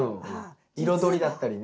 彩りだったりね。